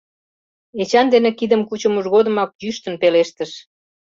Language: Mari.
Эчан дене кидым кучымыж годымак йӱштын пелештыш: